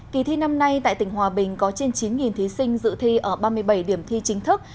kỳ thi năm nay tại tỉnh hòa bình có trên chín thí sinh dự thi ở ba mươi bảy điểm thi chính thức